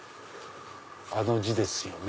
あの字ですよね